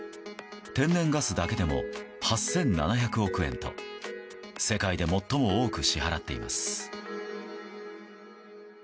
天然ガスだけでも８７００億円と世界で最も多く支払っています。